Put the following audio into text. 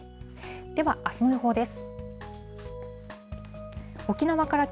では、あすの予報です。